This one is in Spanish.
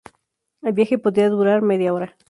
El viaje podía durar media hora.